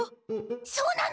そうなの！？